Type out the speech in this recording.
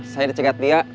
saya dicegat dia